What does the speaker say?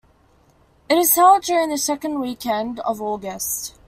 It is held during the second weekend of August.